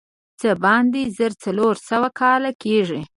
څه باندې زر څلور سوه کاله کېږي.